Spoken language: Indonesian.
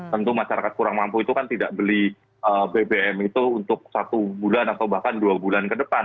tentu masyarakat kurang mampu itu kan tidak beli bbm itu untuk satu bulan atau bahkan dua bulan ke depan